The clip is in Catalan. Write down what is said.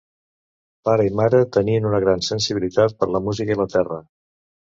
Pare i mare tenien una gran sensibilitat per la música i la terra.